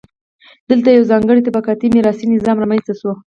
دلته یو ځانګړی طبقاتي میراثي نظام رامنځته شو.